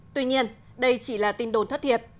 tuy nhiên đây chỉ là tin đồn thất thiệt